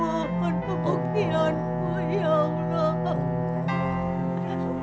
mohon pembuktianmu ya allah